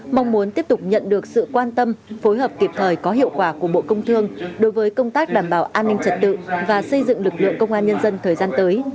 mong muốn tiếp tục nhận được sự quan tâm phối hợp kịp thời có hiệu quả của bộ công thương đối với công tác đảm bảo an ninh trật tự và xây dựng lực lượng công an nhân dân thời gian tới